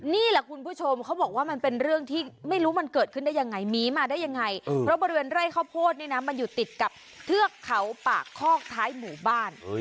นี่แหละคุณผู้ชมเขาบอกว่ามันเป็นเรื่องที่ไม่รู้มันเกิดขึ้นได้ยังไงหมีมาได้ยังไงเพราะบริเวณไร่ข้าวโพดเนี่ยนะมันอยู่ติดกับเทือกเขาปากคอกท้ายหมู่บ้าน